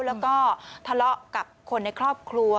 แล้วก็ทะเลาะกับคนในครอบครัว